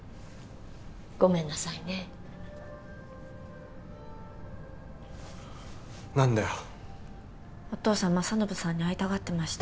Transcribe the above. ごめんなさいね何だよお父さん政信さんに会いたがってました